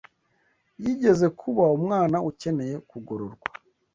yigeze kuba umwana ukeneye kugororwa